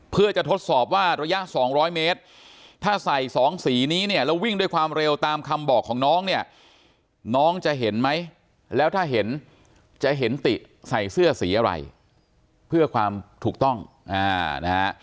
เพื่อจะทดสอบว่าระยะ๒๐๐เมตรถ้าใส่สองสีนี้เนี่ยแล้ววิ่งด้วยความเร็วตามคำบอกของน้องเนี่ยน้องจะเห็นไหมแล้วถ้าเห็นจะเห็นติใส่เสื้อสีอะไรเพื่อความถูกต้องนะฮะ